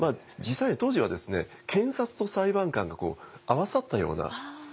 実際当時は検察と裁判官が合わさったような。